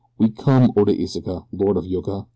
"We come, Oda Iseka, Lord of Yoka!